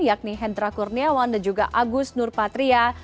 yakni hendra kurniawan dan juga agus nurpatria